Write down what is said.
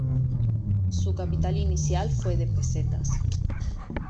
Su capital inicial fue de pesetas.